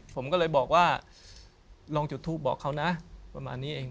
ผมก็เลยบอกว่าลองจุดทูปบอกเขานะประมาณนี้เอง